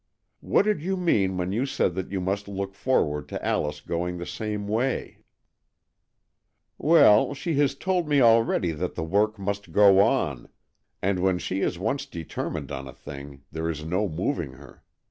"What did you mean when you said that you must look forward to Alice going the same way ?" "Well, she has told me already that the work must go on, and when she is once deter AN EXCHANGE OF SOULS 101 mined on a thing there is no moving her.